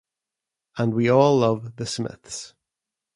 And we all love The Smiths.